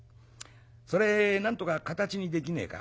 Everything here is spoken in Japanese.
それなんとか形にできねえか？」。